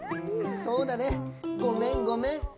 そうだねごめんごめん。